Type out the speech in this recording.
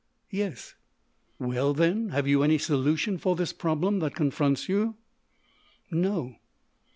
"Yes." "Well, then? Have you any solution for this problem that confronts you?" "No."